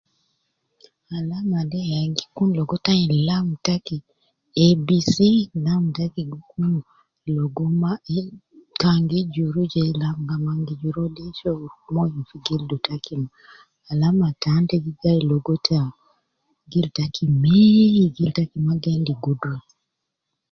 Alama de ya gi kun logo ta ayin lam taki ebisi lam taki gi kun logo ma le kan gi juru je lam kaman gi juru uwo logo moyo fi gildu taki ma, alama tan ta gi gai logo ta gil taki mei, gil taki ma gi endi gudra